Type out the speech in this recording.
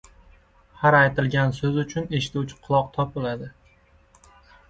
• Har aytilgan so‘z uchun eshituvchi quloq topiladi.